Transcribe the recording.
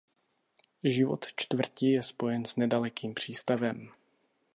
Život čtvrti je spojen s nedalekým přístavem.